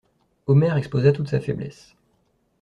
Omer exposa toute sa faiblesse.